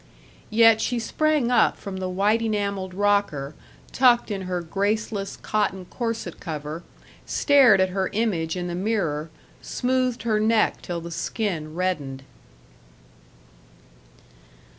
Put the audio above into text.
Yet she sprang up from the white enameled rocker, tucked in her graceless cotton corset cover, stared at her image in the mirror, smoothed her neck till the skin reddened.